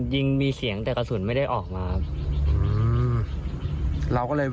ยิงมีเสียงแต่กระสุนไม่ได้ออกมาครับ